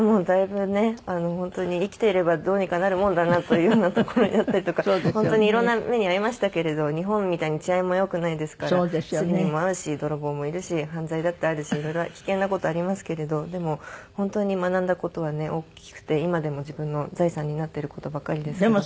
本当に生きていればどうにかなるもんだなというようなところになったりとか本当にいろんな目に遭いましたけれど日本みたいに治安も良くないですからスリにも遭うし泥棒もいるし犯罪だってあるしいろいろ危険な事ありますけれどでも本当に学んだ事はね大きくて今でも自分の財産になってる事ばかりですけど。